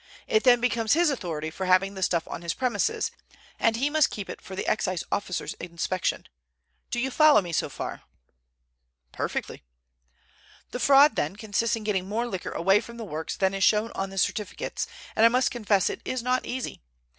It then becomes his authority for having the stuff on his premises, and he must keep it for the Excise officer's inspection. Do you follow me so far?" "Perfectly." "The fraud, then, consists in getting more liquor away from the works than is shown on the certificates, and I must confess it is not easy.